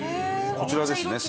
こちらですね。